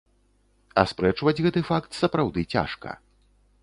Аспрэчваць гэты факт сапраўды цяжка.